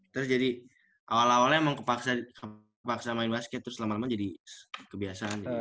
terus jadi awal awalnya emang kepaksa main basket terus lama lama jadi kebiasaan gitu